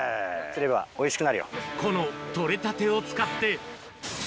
この採れたてを使って。